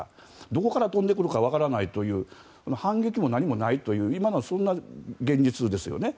どこから飛んでくるかわからない反撃も何もないという今のそんな現実ですよね。